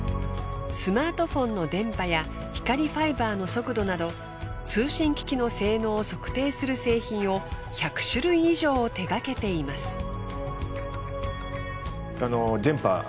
スマートフォンの電波や光ファイバーの速度など通信機器の性能を測定する製品を１００種類以上手がけています。